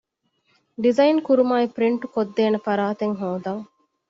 ޑިޒައިން ކުރުމާއި ޕްރިންޓް ކޮށްދޭނޭ ފަރާތެއް ހޯދަން